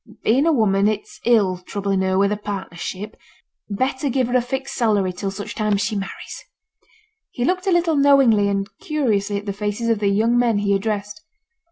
Being a woman, it's ill troubling her with a partnership; better give her a fixed salary till such time as she marries.' He looked a little knowingly and curiously at the faces of the young men he addressed.